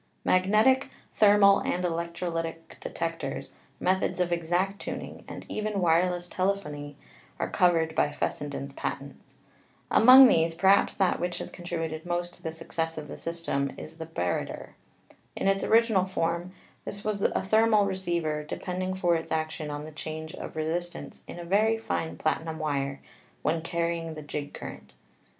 Magnetic, thermal and electrolytic detectors, methods of exact tuning, and even wireless telephony, are covered by Fessenden's patents. Among these, perhaps that which has contributed most to the success of the system is the barretter. In its original form this was a thermal receiver, depending for its action on the change of re sistance in a very fine platinum wire when carrying the jig current.